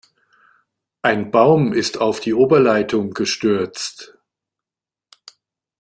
Ein Baum ist auf die Oberleitung gestürzt.